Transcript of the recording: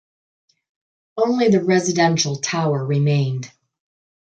Only the residential tower remained.